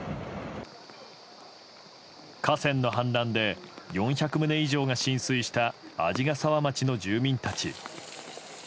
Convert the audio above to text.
河川の氾濫で４００棟以上が浸水した鰺ヶ沢町の住民たち。